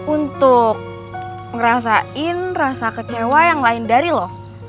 untuk ngerasain rasa kecewa yang lain dari loh